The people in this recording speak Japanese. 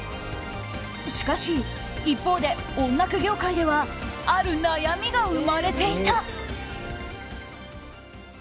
しかし一方で、音楽業界ではある悩みが生まれていた。